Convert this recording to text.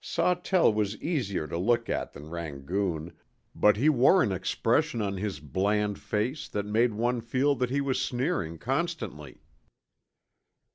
Sawtell was easier to look at than Rangoon, but he wore an expression on his bland face that made one feel that he was sneering constantly.